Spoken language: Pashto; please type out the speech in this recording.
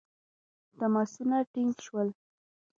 تماسونه ټینګ شول.